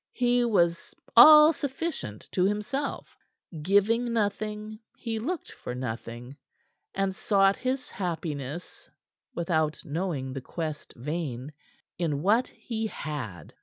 He was all sufficient to himself. Giving nothing, he looked for nothing, and sought his happiness without knowing the quest vain in what he had.